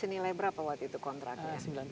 senilai berapa waktu itu kontraknya